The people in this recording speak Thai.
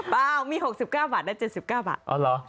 เปล่ามี๖๙บาทและ๗๙บาท